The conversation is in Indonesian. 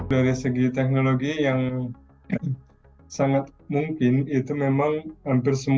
dari segi teknologi yang sangat mungkin itu memang hampir semua